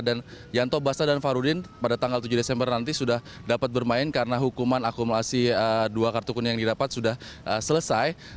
dan yanto basna dan fahrudin pada tanggal tujuh desember nanti sudah dapat bermain karena hukuman akumulasi dua kartu kuning yang didapat sudah selesai